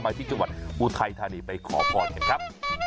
ที่จังหวัดอุทัยธานีไปขอพรกันครับ